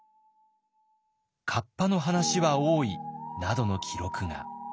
「河童の話は多い」などの記録が。